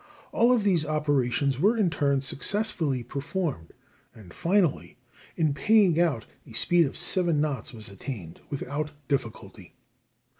All of these operations were in turn successfully performed; and finally, in paying out a speed of seven knots was attained without difficulty.